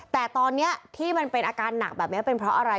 แต่ตอนนี้ที่มันเป็นอาการหนักแบบนี้เป็นเพราะอะไร